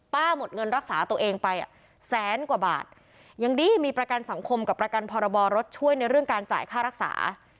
หมดเงินรักษาตัวเองไปอ่ะแสนกว่าบาทยังดีมีประกันสังคมกับประกันพรบรถช่วยในเรื่องการจ่ายค่ารักษา